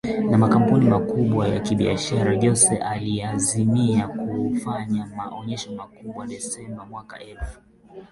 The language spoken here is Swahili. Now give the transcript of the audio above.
na makampuni makubwa ya kibiashara Jose aliazimia kufanya onesho kubwa disemba mwaka elfu